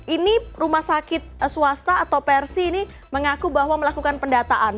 ini rumah sakit swasta atau persi ini mengaku bahwa melakukan pendataan